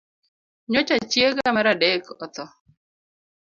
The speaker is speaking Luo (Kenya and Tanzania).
Nyocha chiega mar adek otho